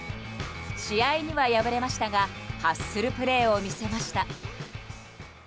試合には敗れましたがハッスルプレーを見せました。